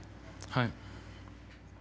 はい。